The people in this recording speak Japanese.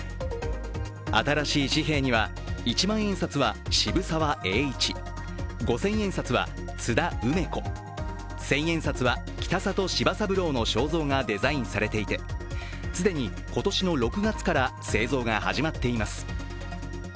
新しい紙幣には、一万円札は渋沢栄一、五千円札は津田梅子、千円札は北里柴三郎の肖像がデザインされていて既に今年の６月から製造が始まっています。